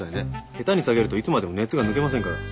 下手に下げるといつまでも熱が抜けませんから。